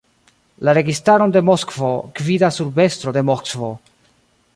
La Registaron de Moskvo gvidas Urbestro de Moskvo.